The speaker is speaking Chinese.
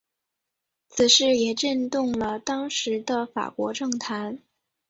此事也震动了当时的法国政坛。